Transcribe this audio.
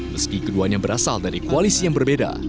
meski keduanya berasal dari koalisi yang berbeda